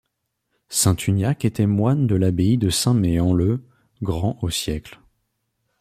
Saint Uniac était moine de l'abbaye de Saint-Méen-le-Grand au siècle.